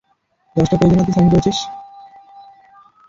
দশটা পেইজে না তুই সাইন করেছিস?